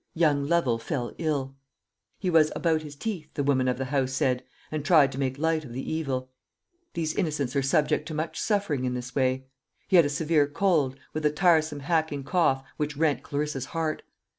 Young Lovel fell ill. He was "about his teeth," the woman of the house said, and tried to make light of the evil. These innocents are subject to much suffering in this way. He had a severe cold, with a tiresome hacking cough which rent Clarissa's heart.